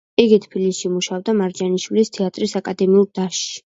იგი თბილისში, მუშაობდა მარჯანიშვილის თეატრის აკადემიურ დასში.